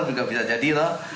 juga bisa jadi